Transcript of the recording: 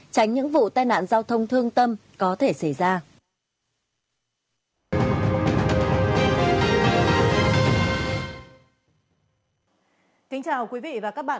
tránh những vụ tai nạn giao thông thương tâm có thể xảy ra